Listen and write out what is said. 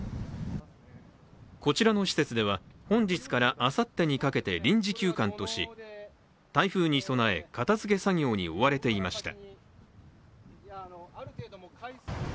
こちらの施設では本日からあさってにかけて臨時休館とし台風に備え、片づけ作業に追われていました。